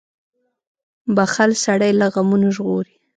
• بښل سړی له غمونو ژغوري.